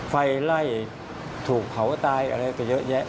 ไฟไล่ถูกเผาตายอะไรไปเยอะแยะ